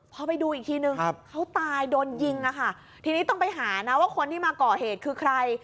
พอไปดูอีกทีนึงเขาตายโดนยิงอ่ะค่ะทีนี้ต้องไปหานะว่าคนที่มาก่อเหตุคือใคร